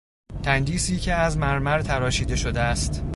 تندیسی که از مرمر تراشیده شده است